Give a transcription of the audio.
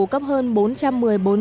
cấp hơn bốn đồng